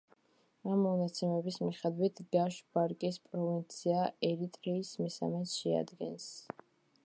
ამ მონაცემების მიხედვით გაშ-ბარკის პროვინცია ერიტრეის მესამედს შეადგენს.